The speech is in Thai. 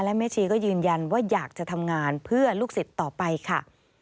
และแม่ชีก็ยืนยันว่าอยากจะทำงานเพื่อลูกศิษย์ต่อไปค่ะ